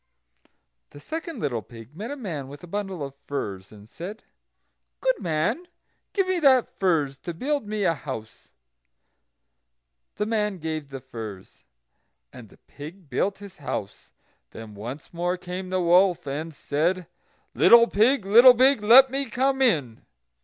The second little pig met a man with a bundle of furze, and said: "Good man, give me that furze to build me a house." The man gave the furze, and the pig built his house. Then once more came the wolf, and said: "Little pig, little pig, let me come in."